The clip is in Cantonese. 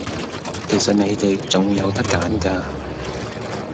其實你哋係仲有得揀㗎